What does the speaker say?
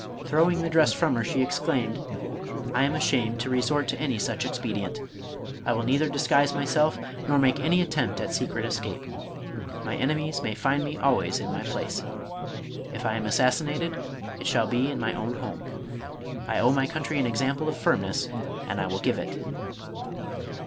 Throw ing the dress from her, she exclaimed, "I am ashamed to resort to any such expedient. I will neither dis guise myself, nor make any attempt at secret escape. My enemies may find me always in my place. If I am assassinated, it shall be in my own home. I owe my country an example of firmness and I will give it."